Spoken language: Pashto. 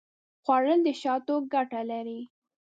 خوړل د شاتو ګټه لري